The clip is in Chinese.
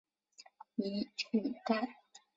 以取代。